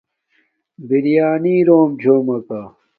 بِریݳنݵ رݸم چھݸمَکݳ.